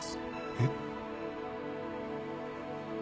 えっ。